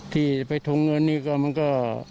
ที่จะไปทงเงินนี่ก็มันก็